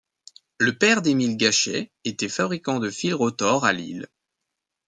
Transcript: Le père d'Émile Gachet était fabricant de fil retors à Lille.